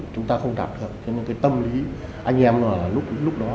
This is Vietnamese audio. trong tâm lý anh em lúc đó